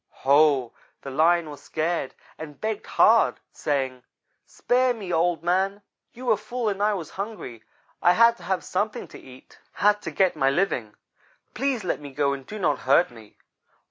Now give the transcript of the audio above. Ho! The Lion was scared and begged hard, saying: "'Spare me, Old man. You were full and I was hungry. I had to have something to eat; had to get my living. Please let me go and do not hurt me.'